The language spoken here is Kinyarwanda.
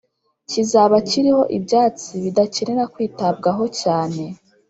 kizaba kiriho ibyatsi bidakenera kwitabwaho cyane